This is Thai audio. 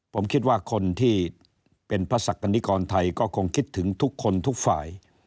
ผมคิดว่าคนที่เป็นพระศักดิกรไทยก็คงคิดถึงทุกคนทุกฝ่าย